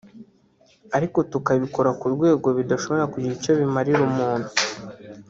ariko tukabikora ku rwego bidashobora kugira icyo bimarira umuntu